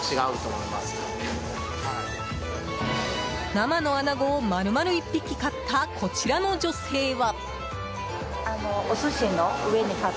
生のアナゴを丸々１匹買ったこちらの女性は。